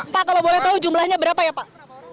pak kalau boleh tahu jumlahnya berapa ya pak